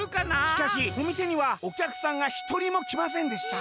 「しかしおみせにはおきゃくさんがひとりもきませんでした」。